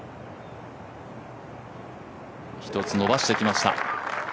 １つ伸ばしてきました。